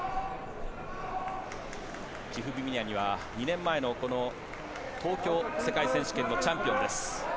チフビミアニは２年前の東京世界選手権のチャンピオンです。